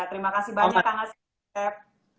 terima kasih banyak kang asep